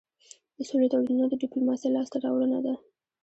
د سولې تړونونه د ډيپلوماسی لاسته راوړنه ده.